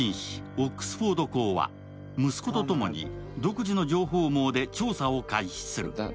オックスフォード公は息子とともに独自の情報網で調査を開始する。